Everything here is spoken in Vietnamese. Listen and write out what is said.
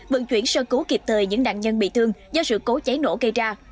vận chuyển sơ cứu kịp thời những nạn nhân bị thương do sự cố cháy nổ gây ra